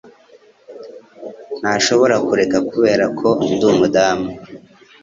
ntashobora kureka 'Kubera ko ndi umudamu